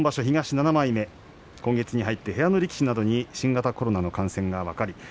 東７枚目今月に入って部屋の力士などに新型コロナの感染が分かり